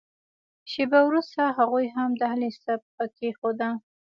شېبه وروسته هغوی هم دهلېز ته پښه کېښوده.